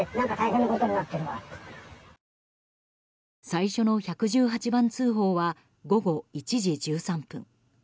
最初の１１８番通報は午後１時１３分。